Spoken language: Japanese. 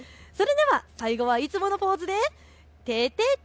最後はいつものポーズでててて！